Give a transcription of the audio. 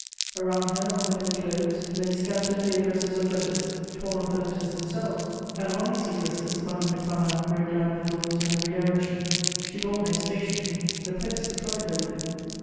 Around her, on the bed clothes, lay scattered the addresses of letters, torn off the letters themselves, and on these addresses Madame de Coislin wrote down her thoughts in every direction: she bought no stationery, the post supplied her with it.